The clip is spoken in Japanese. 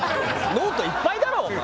ノートいっぱいだろお前！